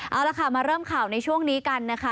เอาละค่ะมาเริ่มข่าวในช่วงนี้กันนะคะ